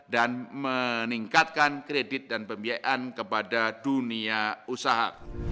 dan meningkatkan kredit dan pembiayaan kepada dunia usaha